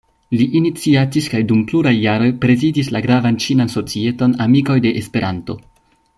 Li iniciatis kaj dum pluraj jaroj prezidis la gravan ĉinan societon "Amikoj de Esperanto".